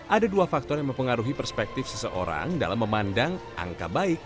ada dua faktor yang mempengaruhi perspektif seseorang dalam memandang angka baik